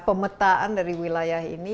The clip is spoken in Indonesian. pemetaan dari wilayah ini